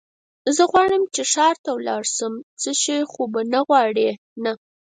زه غواړم چې ښار ته ولاړ شم، څه شی خو به غواړې نه؟